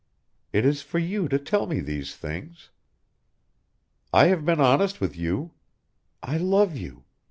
It is for you to tell me these things. I have been honest with you. I love you.